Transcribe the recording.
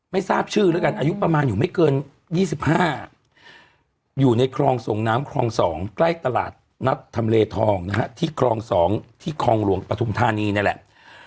ทราบชื่อแล้วกันอายุประมาณอยู่ไม่เกิน๒๕อยู่ในคลองส่งน้ำคลอง๒ใกล้ตลาดนัดทำเลทองนะฮะที่คลอง๒ที่คลองหลวงปฐุมธานีนี่แหละ